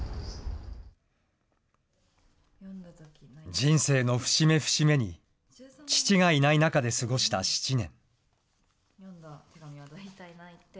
人生の節目節目に父がいない中で過ごした７年。